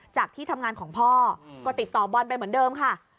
ที่ทำงานของพ่อก็ติดต่อบอลไปเหมือนเดิมค่ะ